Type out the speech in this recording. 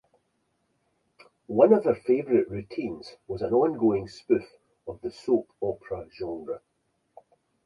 One of their favorite routines was an ongoing spoof of the soap opera genre.